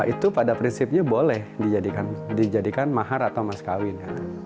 itu pada prinsipnya boleh dijadikan mahar atau maskawin